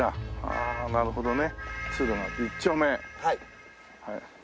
ああなるほどね。